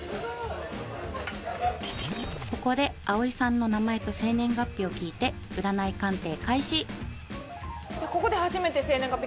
［ここであおいさんの名前と生年月日を聞いて占い鑑定開始］